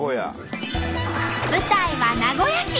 舞台は名古屋市。